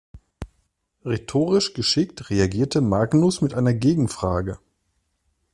Rhetorisch geschickt reagierte Magnus mit einer Gegenfrage.